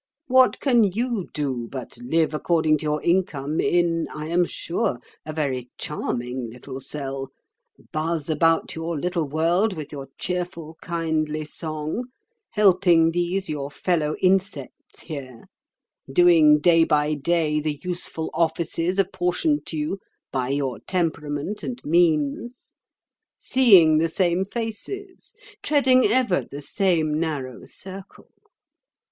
What can you do but live according to your income in, I am sure, a very charming little cell; buzz about your little world with your cheerful, kindly song, helping these your fellow insects here, doing day by day the useful offices apportioned to you by your temperament and means, seeing the same faces, treading ever the same narrow circle?